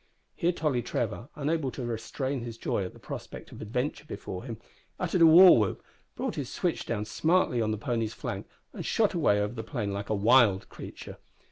Here Tolly Trevor, unable to restrain his joy at the prospect of adventure before him, uttered a war whoop, brought his switch down smartly on the pony's flank, and shot away over the plain like a wild creature.